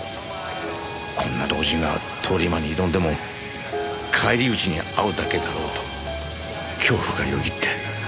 こんな老人が通り魔に挑んでも返り討ちに遭うだけだろうと恐怖がよぎって。